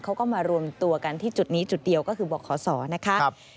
เขาก็มารวมตัวกันที่จุดนี้จุดเดียวก็คือบอกขอสอนะคะ